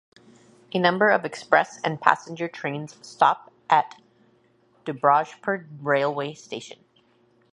A number of Express and Passenger trains stop at Dubrajpur railway station.